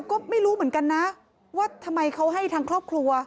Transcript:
ก็ไม่รู้เหมือนกันนะว่าทำไมเขาให้ทางครอบครัว